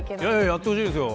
やってほしいですよ。